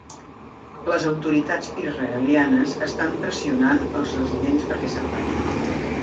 Les autoritats israelianes estan pressionant als residents perquè se'n vagin.